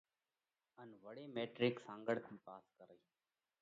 ان وۯي ميٽرڪ سانگھڙ ٿِي پاس ڪرئِي۔